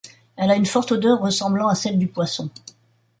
Elle a une forte odeur ressemblant à celle du poisson.